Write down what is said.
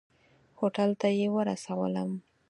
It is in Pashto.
هوټل ته یې ورسولم.